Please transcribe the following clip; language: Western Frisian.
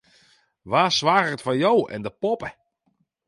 Wa soarget foar jo en de poppe?